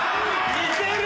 似てる！